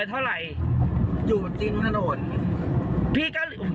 อะไรนะ